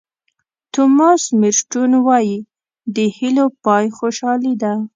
توماس مېرټون وایي د هیلو پای خوشالي ده.